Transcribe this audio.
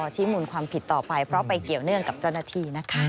ชี้มูลความผิดต่อไปเพราะไปเกี่ยวเนื่องกับเจ้าหน้าที่นะคะ